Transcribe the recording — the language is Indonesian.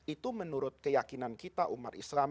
itu menurut keyakinan kita umat islam